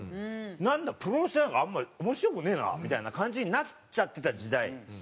なんだプロレスなんかあんまり面白くねえなみたいな感じになっちゃってた時代があって。